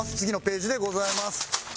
次のページでございます。